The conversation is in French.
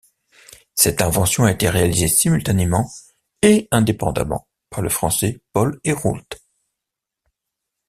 Cette invention a été réalisée simultanément et indépendamment par le français Paul Héroult.